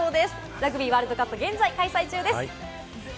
ラグビーワールドカップ現在開催中です。